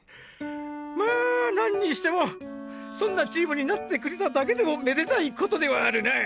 ま何にしてもそんなチームになってくれただけでもめでたいことではあるな。